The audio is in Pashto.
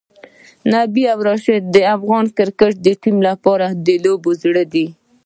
نبی او راشدخان د افغان کرکټ ټیم لپاره د لوبو زړه دی.